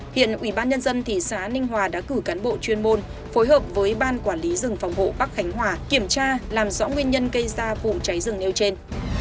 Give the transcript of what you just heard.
hiện ủy ban nhân dân thị xã ninh hòa đã cử cán bộ chuyên môn phối hợp với ban quản lý rừng phòng hộ bắc khánh hòa kiểm tra làm rõ nguyên nhân gây ra vụ cháy rừng nêu trên